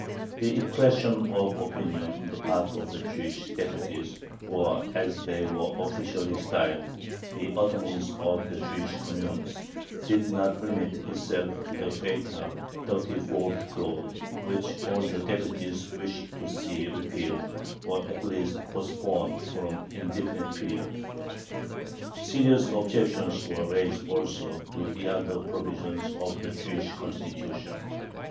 The expression of opinion on the part of the Jewish deputies, or, as they were officially styled, "the attorneys of the Jewish communes," did not limit itself to the fatal thirty fourth clause, which all the deputies wished to see repealed or at least postponed for an indefinite period. Serious objections were raised also to the other provisions of the "Jewish Constitution."